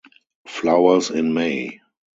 Flowers in May.